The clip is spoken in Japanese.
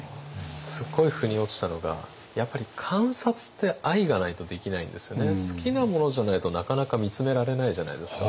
すっごいふに落ちたのがやっぱり好きなものじゃないとなかなか見つめられないじゃないですか。